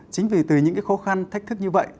chính vì từ những khó khăn thách thức như vậy